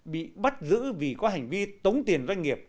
bị bắt giữ vì có hành vi tống tiền doanh nghiệp